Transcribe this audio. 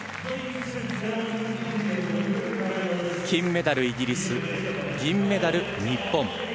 金メダル、イギリス銀メダル、日本。